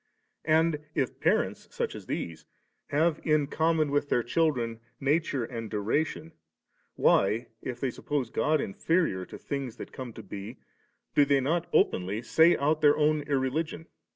And if parents, such as these, have in common with their children nature and duration, why, if they suppose God in ferior to things that come to be^ do they not openly say out their own irreligion